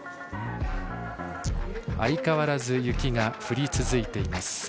相変わらず雪が降り続いています。